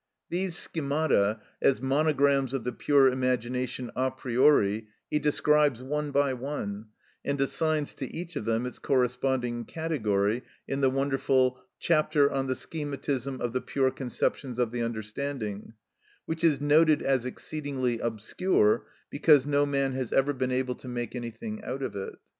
These schemata, as monograms of the pure imagination a priori, he describes one by one, and assigns to each of them its corresponding category, in the wonderful "Chapter on the Schematism of the Pure Conceptions of the Understanding," which is noted as exceedingly obscure, because no man has ever been able to make anything out of it.